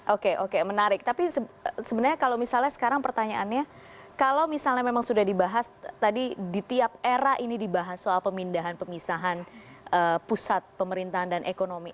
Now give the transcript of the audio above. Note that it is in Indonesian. oke oke menarik tapi sebenarnya kalau misalnya sekarang pertanyaannya kalau misalnya memang sudah dibahas tadi di tiap era ini dibahas soal pemindahan pemisahan pusat pemerintahan dan ekonomi